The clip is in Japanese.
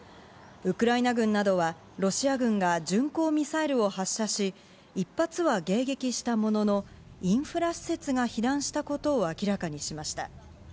ウクライナ軍などはロシア軍が巡航ミサイルを発射し、１発は迎撃したものの、インフラ施設が被弾したことを明らかにしました。